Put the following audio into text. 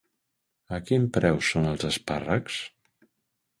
A quin preu són els espàrrecs?